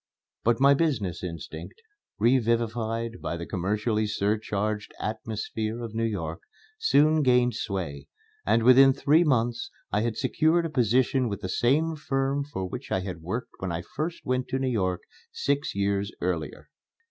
But my business instinct, revivified by the commercially surcharged atmosphere of New York, soon gained sway, and within three months I had secured a position with the same firm for which I had worked when I first went to New York six years earlier.